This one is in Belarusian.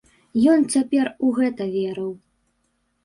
Ён цяпер у гэта верыў.